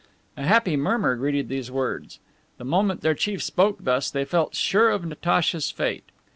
A happy murmur greeted these words. The moment their chief spoke thus, they felt sure of Natacha's fate.